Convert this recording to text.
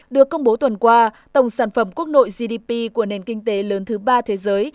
được công bố tuần qua tổng sản phẩm quốc nội gdp của nền kinh tế lớn thứ ba thế giới